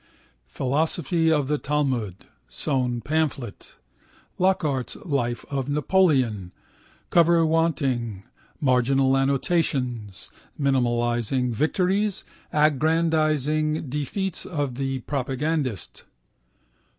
Philosophy of the Talmud (sewn pamphlet). Lockhart's Life of Napoleon (cover wanting, marginal annotations, minimising victories, aggrandising defeats of the protagonist).